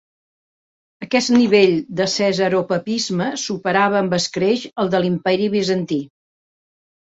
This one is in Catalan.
Aquest nivell de cesaropapisme superava amb escreix al de l'Imperi Bizantí.